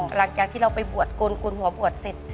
หลังจากที่เราไปบวชกลหัวบวชเสร็จ